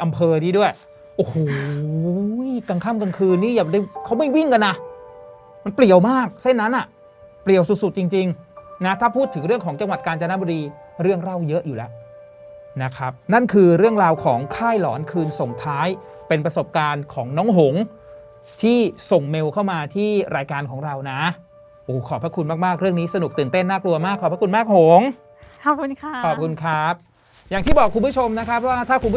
โอเคดี้ด้วยโอ้โหกลางค่ำกลางคืนนี่อย่าเขาไม่วิ่งกันอะมันเปรียวมากเส้นนั้นอะเปรียวสุดจริงนะถ้าพูดถึงเรื่องของจังหวัดกาญจนบรีเรื่องเล่าเยอะอยู่แล้วนะครับนั่นคือเรื่องราวของค่ายหลอนคืนส่งท้ายเป็นประสบการณ์ของน้องหงที่ส่งเมลเข้ามาที่รายการของเรานะขอบคุณมากเรื่องนี้สนุกตื่นเต้นน่ากลัวมากข